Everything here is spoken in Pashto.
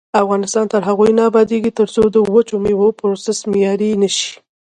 افغانستان تر هغو نه ابادیږي، ترڅو د وچو میوو پروسس معیاري نشي.